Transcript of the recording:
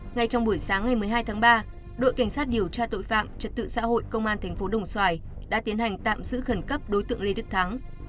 ngay trong buổi sáng ngày một mươi hai tháng ba đội cảnh sát điều tra tội phạm trật tự xã hội công an tp đồng xoài đã tiến hành tạm giữ khẩn cấp đối tượng lê đức thắng